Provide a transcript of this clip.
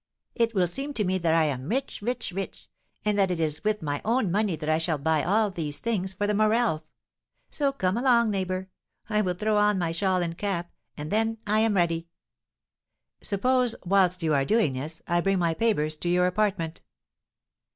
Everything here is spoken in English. It will seem to me that I am rich, rich, rich, and that it is with my own money that I shall buy all these things for the Morels. So come along, neighbour, I will throw on my shawl and cap, and then I am ready." "Suppose, whilst you are doing this, I bring my papers to your apartment?"